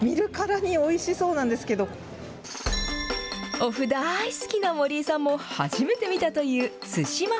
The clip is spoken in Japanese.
おふ大好きの森井さんも初めて見たという、津島麩。